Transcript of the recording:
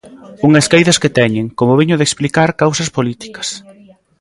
Unhas caídas que teñen, como veño de explicar, causas políticas.